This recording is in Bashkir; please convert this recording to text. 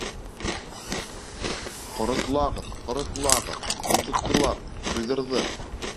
Ҡоротлағыҙ, ҡоротлағыҙ, Йонсоттолар, туйҙырҙы.